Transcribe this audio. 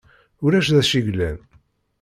Ulac d acu yellan.